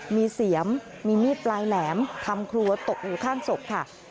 มีเสียมมีมีดปลายแหลมทำครัวตกอยู่ข้างศพค่ะ